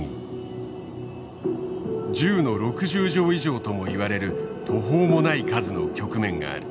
１０の６０乗以上ともいわれる途方もない数の局面がある。